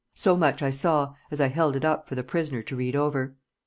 So much I saw as I held it up for the prisoner to read over.